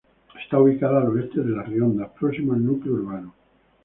Está ubicada al oeste de Arriondas próxima al núcleo urbano.